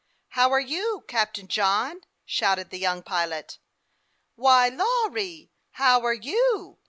" How are you, Captai'i John ??' shouted the young pilot. " Why, Lawry ! How are you